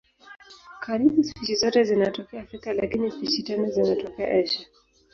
Karibu spishi zote zinatokea Afrika lakini spishi tano zinatokea Asia.